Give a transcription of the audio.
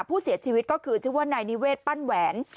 ผู้เสียชีวิตก็คือชื่อว่านายนิเวศปั้นแหวน